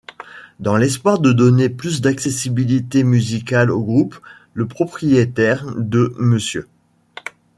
Dans l'espoir de donner plus d'accessibilité musicale au groupe, le propriétaire de Mr.